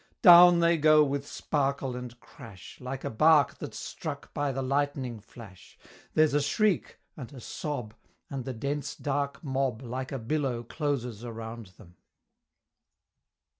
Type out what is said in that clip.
Down they go with sparkle and crash, Like a Bark that's struck by the lightning flash There's a shriek and a sob And the dense dark mob Like a billow closes around them!